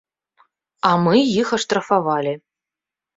А мы іх аштрафавалі.